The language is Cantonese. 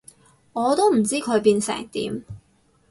我都唔知佢變成點